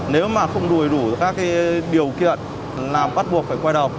nếu mà không đủ đủ các cái điều kiện là bắt buộc phải quay đầu